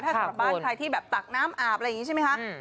ถ้าสำหรับบ้านใครที่แบบตักน้ำอาบอะไรอย่างนี้ใช่ไหมคะ